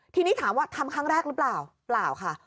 ทีนี้ถามว่าทำครั้งแรกหรือเปล่าเปล่าค่ะ